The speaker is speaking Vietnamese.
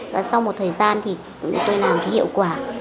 và sau một thời gian thì tôi làm thấy hiệu quả